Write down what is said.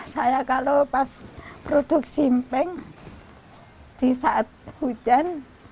saya kalau pas produksi empeng di saat hujan